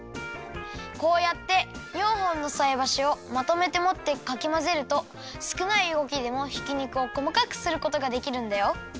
こうやって４ほんのさいばしをまとめてもってかきまぜるとすくないうごきでもひき肉をこまかくすることができるんだよ！